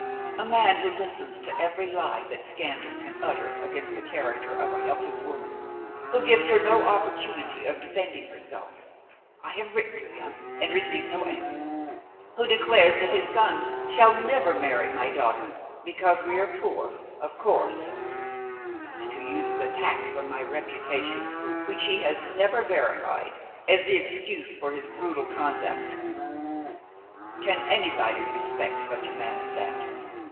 "A man who listens to every lie that scandal can utter against the character of a helpless woman who gives her no opportunity of defending herself (I have written to him and received no answer) who declares that his son shall never marry my daughter (because we are poor, of course); and who uses attacks on my reputation which he has never verified, as the excuse for his brutal conduct can anybody respect such a man as that?